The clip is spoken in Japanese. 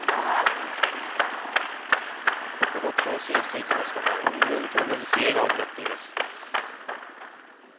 ここも強振していきますが、うんうんとうなずき、笑顔になっています。